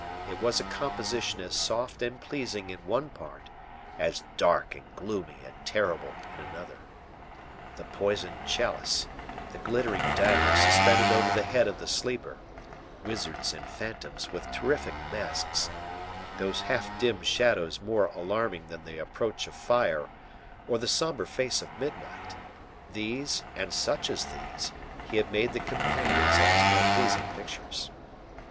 It was a composition as soft and pleasing in one part as dark and gloomy and terrible in another. The poisoned chalice, the glittering dagger suspended over the head of the sleeper; wizards and phantoms with terrific masks, those half dim shadows more alarming than the approach of fire or the somber face of midnight, these, and such as these, he had made the companions of his more pleasing pictures.